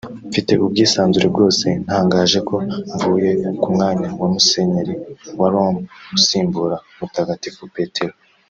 mfite ubwisanzure bwose ntangaje ko mvuye ku mwanya wa Musenyeri wa Roma usimbura Mutagatifu Petero